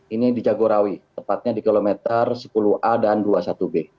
ini di jagorawi tepatnya di kilometer sepuluh a dan dua puluh satu b